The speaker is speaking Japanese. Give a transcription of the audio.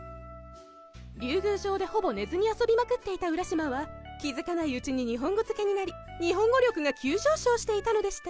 竜宮城でほぼ寝ずに遊びまくっていた浦島は気づかないうちに日本語漬けになり日本語力が急上昇していたのでした